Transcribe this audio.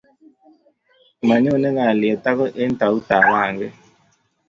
mayone kalyet agoi eng tautab panget